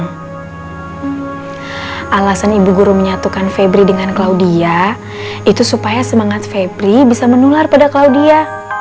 alasan ibu guru menyatukan febri dengan claudia itu supaya semangat febri bisa menular pada klaudia